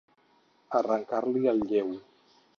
Arrancar-li el lleu.